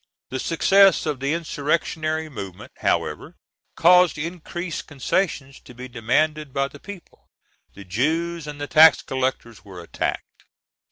The success of the insurrectionary movement, however, caused increased concessions to be demanded by the people. The Jews and tax collectors were attacked.